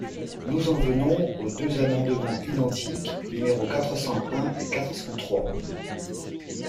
Nous en venons aux deux amendements identiques, numéros quatre cent un et quatre cent trois.